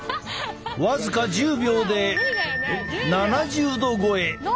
僅か１０秒で７０℃超え！